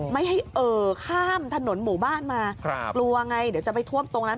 ไม่ให้เอ่อข้ามถนนหมู่บ้านมากลัวไงเดี๋ยวจะไปท่วมตรงนั้น